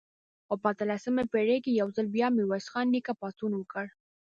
خو په اتلسمه پېړۍ کې یو ځل بیا میرویس خان نیکه پاڅون وکړ.